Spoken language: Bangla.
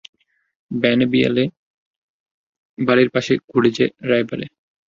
ব্যানে বিয়ালে বাড়ির পাশে ঘোরে যে রায়বারে।